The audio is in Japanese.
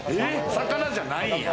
魚じゃないんや？